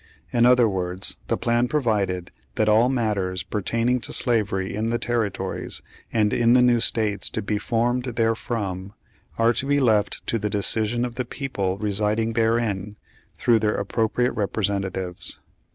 In other words, the plan provided that all matters "pertaining to slavery in the territories, and in the new states to be formed therefrom, are to be left to the deci sion of the people residing therein, through their appropriate representatives."